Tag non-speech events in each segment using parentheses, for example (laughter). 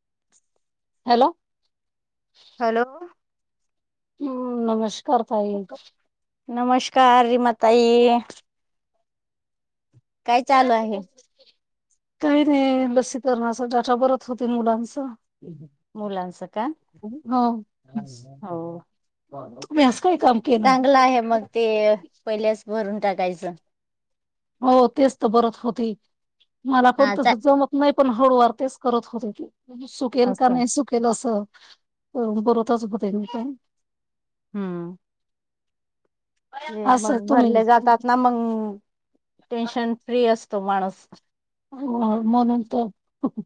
(inaudible) Hello hello हम्म, नमस्कार ताई नमस्कार, रिमा ताई काय चालू आहे? काही नाही. लसीकरणाचा डाटा भरत होते मुलांचा मुलांचं का हं हो आज काय काम? केलं? चांगलं आहे मग ते पहिलेच भरून टाकायचं हो तेच तर बरच होते. मला पण हा तस चा जमत नाही, पण हळूवार तेच करत होते ती सुकेल का असं नाही सुक केलं अस भरत असच (unintelligible) होत काय नाही? हम्म. हे असं मग तुम्ही भरले जातात ना मग टेन्शन फ्री असतो माणूस हो म्हणून तर हं हं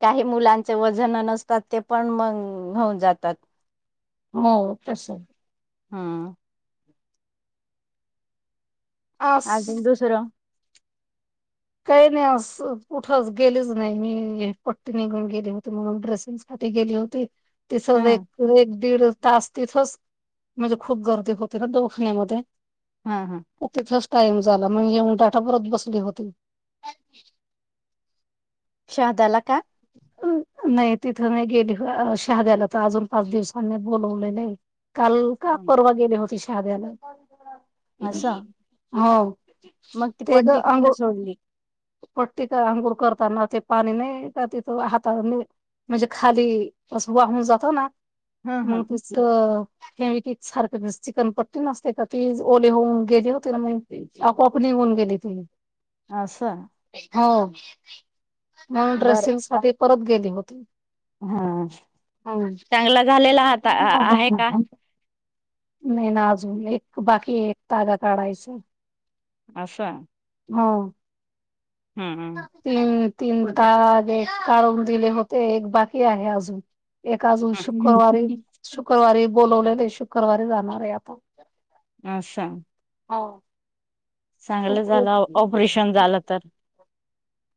काही मुलांचे वजन नसतात, ते पण मग होऊन जातात हो, तसंय हा आस अजून दुसरं काही नाही अस कुठंच गेलीच नाही मी पट्टी निघून गेले होती म्हणून ड्रेसिंग साठी गेली होती ती हा सहज अस एक एक दीड तास तिथच म्हणजे खूप गर्दी होती ना दवखाण्यामध्ये हा, हा तिथच टाइम झाला, मग येऊन डाटा भरत बसले होते शहाद्याला का? नाही तिथं नाही गेले. शहाद्याला तर अजून पाच दिवसांनी बोलवलेलेय काल का परवा गेले होती शहाद्याला. असं हो मग ती ते द पट्टी अंग कुठे सोडली पट्टी का? अंघोळ करताना ते पाणी नाही का तिथं हाता म्हणजे खाली अस वाहून जातो ना ह ह मग त तर हे फेवीक्विक सारख चिकटपट्टी नसते का? ती ओले होऊन गेले होते ना मग अ कोपनी कोण केली तुम्ही अससाा हो म बरं ड्रेसिंग सा परत गेली होती हा हम् चांगला झालेला हात आहे का नाही ना अजून एक बाकी एक तागा काढायचा आशा. हा हम्म तीन तीन दाग एक काढून दिले होते एक बाकी आहे अजून एकका अजून हम्म शुक्रवारी शुक्रवारी बोलवलेले शुक्रवारी जाणार आहे आता अससाा हाव. चांगलं झालं ऑपरेशन झालं तर (unintelligible)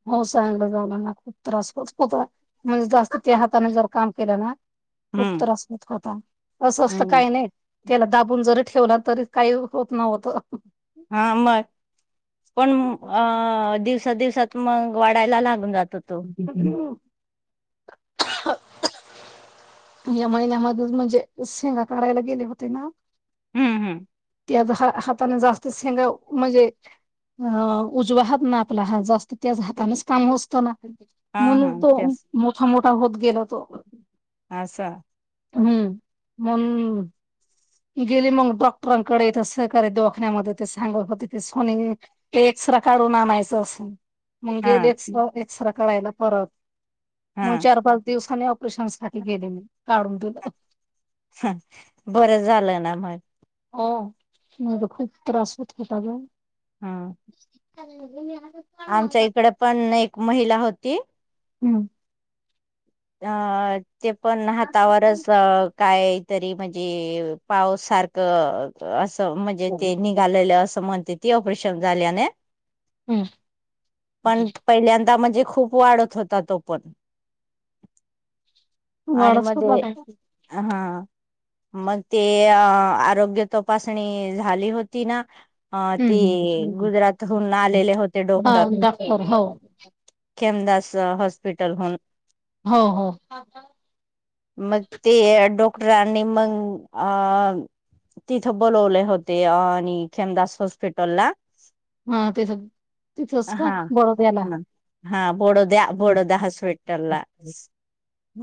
हो चांगलं जालाना खूप त्रास होच होता म्हणजे जास्त त्या हाताने जर काम केलं ना खूप हम्म त्रास होत होता असं असत हम्म काही नाही त्याला दाबून जरी ठेवला तरी काही होत नव्हत हा मग पण अ दिवसा दिवसात मग वाडायला लागून जात होतो या महिन्यामध्ये म्हणजे शेंगा काढायला गेले होते ना हम्म हम्म त्याज हा हातान जास्त शेंगव म्हणजे अ उजवाहात ना आपला हात जास्त त्याच हातानेच काम हो असतं ना हा म्हणून तो मोठा मोठा होत गेला तो (unintelligible) असछा (unintelligible) हम्म मोल गेली मग डॉक्टरांकडे इथ सहकारी दळखण्यामध्ये ते सांगत हो तथे सोनी तेक्स्र काढून आणायचं असं मग हा गेली एक्सरे करायला परत मग हा चार पाच दिवसानी प्रशंसासाठी गेले मी काढून तुलं (unintelligible) हां, बरं झालं ना म. ह म तर खूप त्रास होत त ग ह अ (unintelligible) आमच्या इकड पण एक महिला होती हम् अ ते पण हातावर हम्म काहीतरी म्हणजे पाऊस सारखं असं म्हणजे ते नि घालेलं असं म्हणते ती ऑपरेशन झाल्याने पण पहिल्यांदा म्हणजे खूप वाढत होता तो पण आणि वाढच होत होता मध्ये काय हा (unintelligible) मग ते आरोग्य तपासणी झाली होती ना अ तेी हम्म गुजरातहून आलेले होते हा डॉक्टर डॉक्टर हो खेमदास हॉस्पिटलहून हो हो मग ते डॉक्टरांनी मग अ तिथं बोलवले होते आणि खेमदास हॉस्पिटल ला हा, तेथ तिथंच काय हा. बडोद्याला. ह हा, बोडोद्या बोडोदा हॉस्पीटला.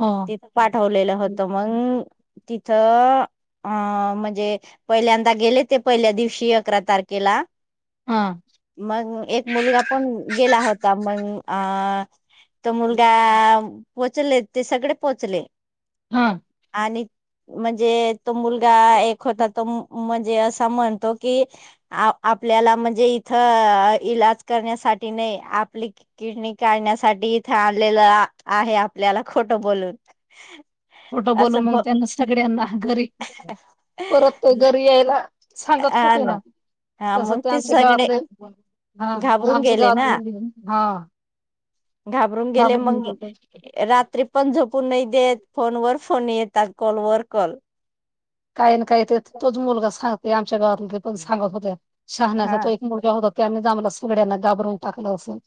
हो. पाठवलेलं होतं मंग, तिथं अ.. म्हणजे पहिल्यांदा गेले ते पहिल्या दिवशी अकरा तारखेला. आं.. मग एक मुलगा पण गेला होता, मगं आं.. तो मुलगा पोचले ते सगळे पोहोचले. हं. आणि, म्हणजे तो मुलगा एक होता तो, म्हणजे असं म्हणतो की, आपल्याला म्हणजे, इथं इलाज करण्यासाठी नाही. आपली कि किडनी काढण्यासाठी इथे आणलेलं आहे, आपल्याला खोटं बोलून. खोटं बोलून असं मग ब त्यांना सगळ्यांना घरी, परत ते घरी यायला. सांगत होतेे ना, हा तसं मग ते आमच्या सगळे गावात (unintelligible) घाबरून आमच्या गेले गावात ना हां. घाबरून गेले मगं. रात्री पण झोपून नाही देत, फोनवर फोन येतात कॉलवर कॉल. काही ना काय ते तोच मुलगा सांगते, आमच्या गावात ते पण सांगत होते शहाण्याचा हा तो एक मुलं. हो, त्यानीज आम्हा सगड्यांना घाबरून टाकलं असलं.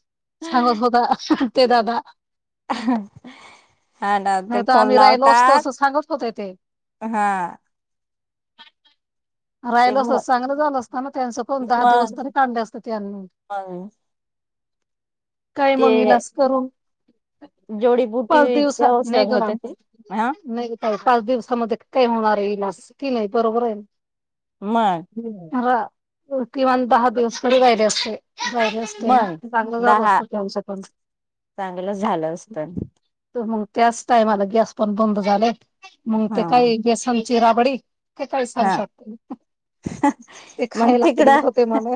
सांगत होता, ते दादा हां, ना ते नाही तर फोन आम्ही राहिलो असतो लावतात. असं सांगत होते ते हा. ते राहिल मग असत चांगलं झालं असत, त्यांनचं पण दहा दिवस तरी काढले असतं त्यांनी. हं. काय मग इलाज करून. पलते जोडीबुटीचे औषध होत ते हा (unintelligible) पाच दिवसामध्ये काय होणार ये, इलाज की नाही बरोबर आहे. मंग. किमान दहा दिवस तरी राहिले असते, बरं मग चांगलं झालं दहा असत‌, त्यांनचं करून. चांगलं झालं असत तर मग त्याच टायमाला गॅस पण बंद झाले, मग ते हा काही गॅसांची रा बडी का काळी स्थान हा शोटते, म ते मग खायला देत तिकडं होते मला.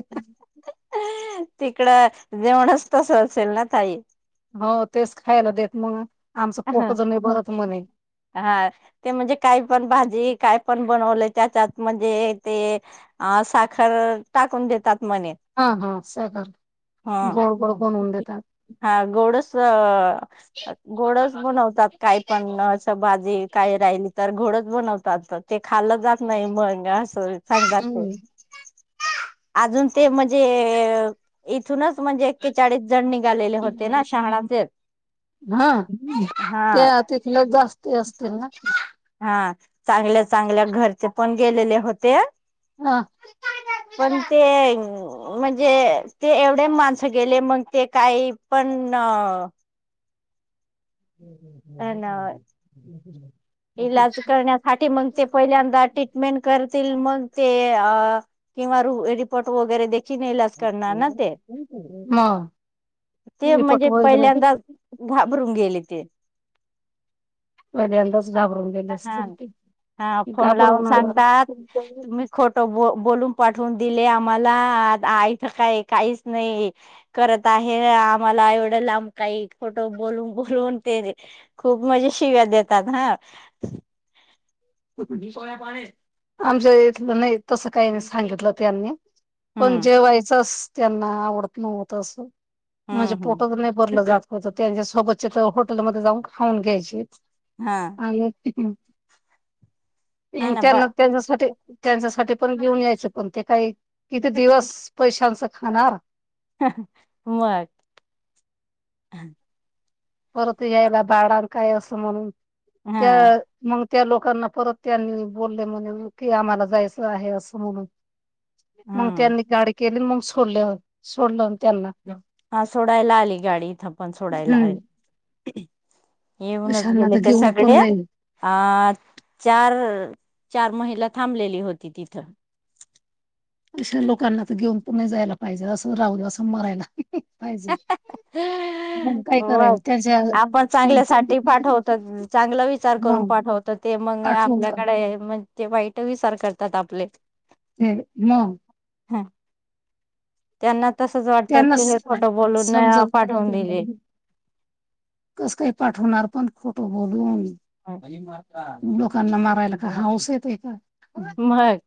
तिकडं जेवणच तसं, असेल ना ताई. हो तेच खायला देत मग, आमचं हा पोटच नाही भरत म्हणे. हा, ते म्हणजे काय पण भाजी काय, पण बनवले त्याच्यात म्हणजे ते, अ.. साखर टाकून देतात म्हणे. हा हा, सगळं ह गोड गोड बनवून देतात. हा, गोडस गोडच बनवतात. काय पण असं, भाजी काही राहिली तर, गोडच बनवतात ते खाल्लं जात नाही मग असं. (unintelligible) हम्म अजून ते म्हणजे, इथूनच म्हणजे, एक्केचाळीस जण निघालेले होते ना शहाणाचे. हं, हा ते तितलच जास्त असतील ना, हा, चांगल्या चांगल्या घरचे पण गेलेले होते. अं.. पण ते, म्हणजे ते एवढे, माणसं गेले मग ते काही पण. हम् हम. पण इलाज करण्यासाठी मग, ते पहिल्यांदा मेंट करतील मग ते. किंवा रिपोर्ट वगैरे दे ज करणार ना ते. मग ते रिपोर्ट म्हणजे वगैरे पहिल्यांदा घाबरून गेले ते. पहिल्यांदाच घाबरून गेले हा. असतील ते हा. फोन लावून सांगतात. घाबरवणार तुम्ही खोट ब बोलून पाठवून दिले आम्हाला. यथं काय काहीच नाही. करत आहे. आम्हाला एवढं लाम काही खोट बोलून बोलून ते खूप मजे शिव्या देतात. ह. आमच्या इथलं नाही. तसं काही नाही सांगितलं त्यांनी. पण हम्म जेवायचंस त्यांना आवडत नव्हत. असं. म्हणजे हम्म हम्म पोटच नाही भरलं जात होत. त्यांच्या सोबतचे त हॉटेलमध्ये जाऊन खाऊन घ्यायचे. हा. ह (unintelligible) हा ना ब त्यांना त्यांच्यासाठी, त्यांच्यासाठी पण घेऊन यायचे. पण ते काही किती दिवस पैशांच खाणार. मग. परत यायला भाडान काय असं म्हणून हा त्या मग त्या लोकांना परत त्यांनी बोलले. म्हणे की आम्हाला जायचं आहे असं म्हणून. मग हम्म त्यांनी गाडी केली मग सोडल. सोडलं त्यांना. हा सोडायला आली गाडी. इथं पण सोडायला हम्म आली. येऊनच अशांना गेले तर त्या घेऊन सगळे. पण नाही अ चार चार महिला थांबलेली होती तिथं. इथल्या लोकांना तर घेऊन पुन्हा जायला पाहिजे. असं राहू असं मरायला. पाहिजे मग काय होय, करायचं त्यांच्या आपण त्यांच्या चांगल्यासाठी पाठवतो. चांगलं विचार करून मग पाठवतो. ते मग पाठवून आपल्याकडे ते वाईट विचार करतात आपले. ह म. ह, त्यांना तसच वाटत त्यांना की हे स- खोट बोलून समजत पाठवून दिले. कस काय पाठवणार पण, खोट बोलून. लोकांना मारायला का हाऊस येतय का? मग.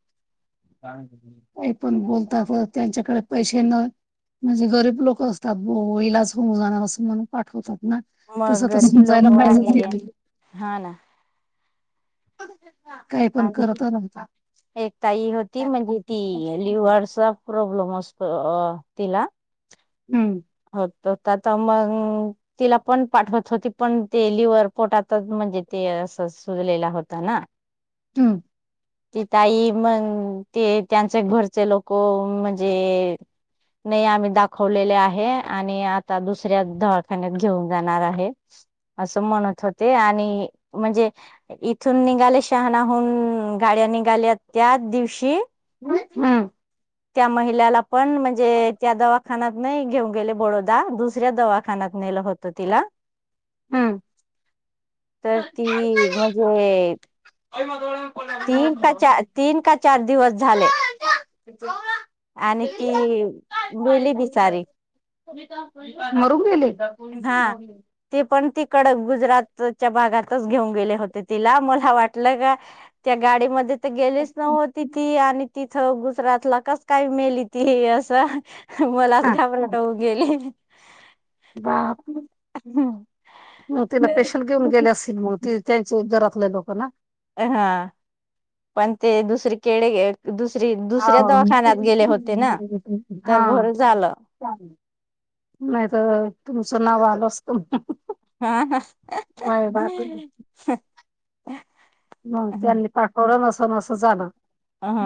काही पण बोलता. त्यांच्याकडे पैसे न. म्हणजे गरीब लोक असतात बो. ईलाज होऊन जाणार असं म्हणून पाठवतात ना. मग तसं तर गरीब लोक समजायला पाहिजे वाढीये. त्यांनी हा ना? (unintelligible) पण आणि करत राहतात एकताई होती. म्हणजे ती लिवर्स प्रॉब्लेम असतो तीला. हम्म. होत त मग तिला पण पाठवत होती. पण ते लिवर पोटातच म्हणजे, ते अस सुजलेला होत ना. हम्म. ती ताई मग, ते त्यांचे घरचे लोक म्हणजे नाही आम्ही दाखवलेले आहे. आणि आता दुसऱ्या दवाखान्यात घेऊन जाणार आहे. असं म्हणत होते. आणि म्हणजे इथून निघाले. शहाणाहून गाड्याव निघाल्यात त्याच दिवशी हम्म. त्या महिलाला पण म्हणजे, त्या दवाखान्यात नाही घेऊन गेले. बोडो दा. दुसऱ्या दवाखान्यात नेलं होत तिला. हम्म तर ती म्हणजे अ मझला मग पला तीन का चार तीन का चार दिवस झाले (inaudible) आणि ती ललेली बि सारी मरून गेले तेी पण ती कडक गुजरातच्या भागातच घेऊन गेले होते तिला मला वाटलं का त्या गाडीमध्ये तर गेलीच नव्हती ती आणि तिथं गुजरातला कस काही मेली ती असं मलाच हा घाबरटऊ गेली वा हा मग तिला पेशल घेऊन गेले असतील मग त त्यांचे जरातले लोक ना हा पण ते दुसरे केडे दुसरी दुसऱ्या हाव. दवाखान्यात गेले होते ना तर भर हा झालं नाही तर तुमचं नाव आल असतु हा ह मग त्यांनी पाठवलं नस न असं झालं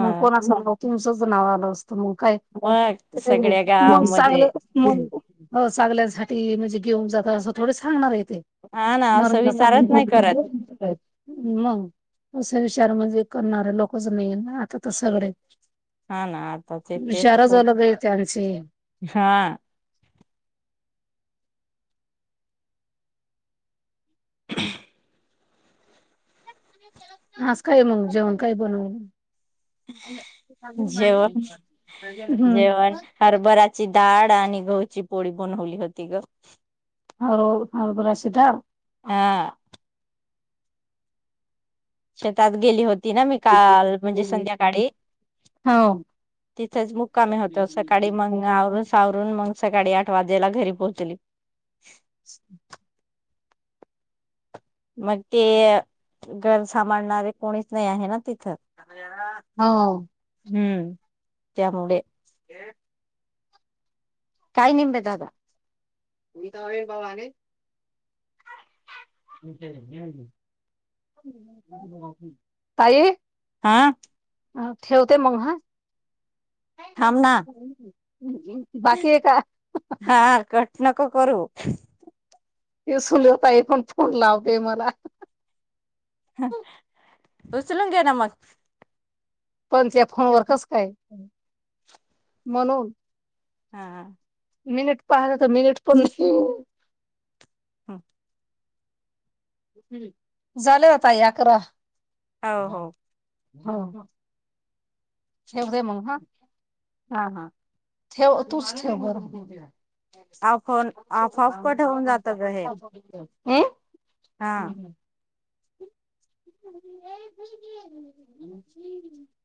मग कोण अस तुमचंच नाव आलं असतं मग काय मग सगळ्या मग चांगलं गावामध्ये मग चांगल्यासाठी म्हणजे घेऊन जात असं थोडे सांगणार आहे ते हा (inaudible) ना असं विचारच नाही करत मग असं विचार म्हणजे करणार आहे लोकच नाही आता तर सगळे हा ना आताच विशार झालंगेत आमचे ह हा ह हस काय मग जेवण काय बनव जेवण जेवण (inaudible) हरभराची डाळ आणि गवची पोळी बनवली होती ग हो ह गुराशी द ह शेतात गेली होती ना मी काल म्हणजे संध्याकाळी हो तिथेच मुक्कामे होत सकाळी मंग सावरून मग सकाळी आठ वाजेला घरी पोहोचली हम् मग ते घर सांभाळणारे कोणीच नाही आहे ना तिथं हा हम्म त्यामुळे काय निमवे दादा तु बाबाने तय हा अ ठेवते मग ह थांब ना हा कट नक करू हे सुल होता आहे पण फोन लावते मला उचलु घ न म पण त्या फोन वर कस काय म्हणून हा ह मिनिट पाहाला तर मिनिट पण हम झाले आता अकरा हो हो ठेवते मग हा हा हा. ठेव तूच ठेव बर. ऑफ ऑन ऑफ ऑफ हम्. कट होऊन जात ग हे हा. हम्म हम्म. (inaudible)